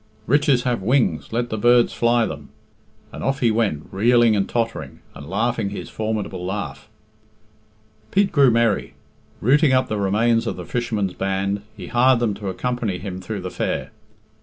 'Riches have wings;' let the birds fly then," and off he went, reeling and tottering, and laughing his formidable laugh. Pete grew merry. Rooting up the remains of the fishermen's band, he hired them to accompany him through the fair.